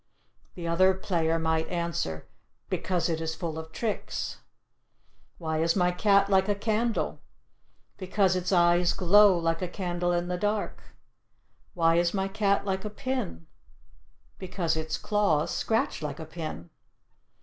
The other player might answer: "Because it is full of tricks." "Why is my cat like a candle?" "Because its eyes glow like a candle in the dark." "Why is my cat like a pin?" "Because its claws scratch like a pin."